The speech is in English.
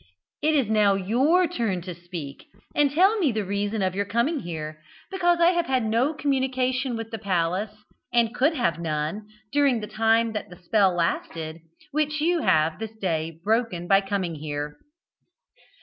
It is now your turn to speak, and tell me the reason of your coming here; because I have had no communication with the palace, and could have none, during the time that the spell lasted, which you have this day broken by coming here."